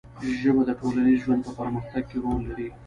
ژبه د ټولنیز ژوند په پرمختګ کې رول لري